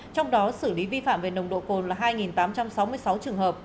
trong đó xử lý vi phạm về nồng độ cồn là hai tám trăm sáu mươi sáu trường hợp